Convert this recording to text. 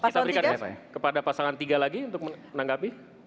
kita berikan kepada pasangan tiga lagi untuk menanggapi